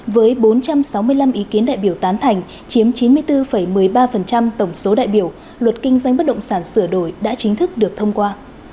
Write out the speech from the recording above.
với bốn trăm sáu mươi năm ý kiến đại biểu tán thành chiếm chín mươi bốn một mươi ba tổng số đại biểu luật kinh doanh bất động sản sửa đổi đã chính thức được thông qua